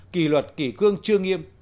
kỳ luật kỳ cương chưa nghiêm